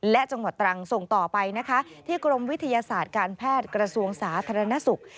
และจังหวัดตรังส่งต่อไปนะคะที่กรมวิทยาศาสตร์การแพทย์กระทรวงสาธารณสุข